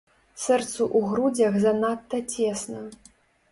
Сэрцу ў грудзях занадта цесна.